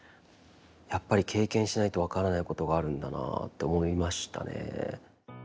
やっぱり経験しないと分からないことがあるんだなって思いましたね。